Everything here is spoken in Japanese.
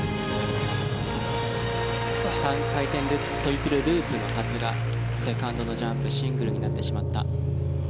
３回転ルッツトリプルループのはずがセカンドのジャンプシングルになってしまった。